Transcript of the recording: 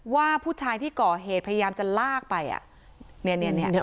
ว่าผู้ชายที่เกาะเหตุพยายามจะลากไปอ่ะเนี้ยเนี้ยเนี้ย